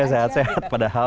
iya sehat sehat padahal